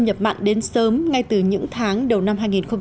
nhập mặn đến sớm ngay từ những tháng đầu năm hai nghìn một mươi bảy